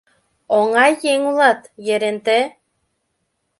— Оҥай еҥ улат, Еренте!